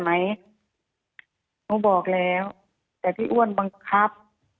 เขาบอกแล้วแต่พี่อ้วนบังคับ